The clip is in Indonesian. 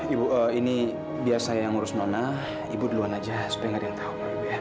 ibu ini biasa yang urus nona ibu duluan saja supaya tidak ada yang tahu